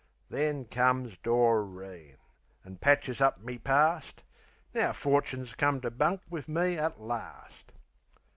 Then comes Doreen, an' patches up me parst; Now Forchin's come to bunk wiv me at larst.